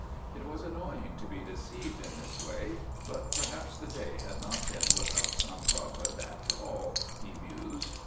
It was annoying to be deceived in this way, but perhaps the day had not been without some profit, after all, he mused.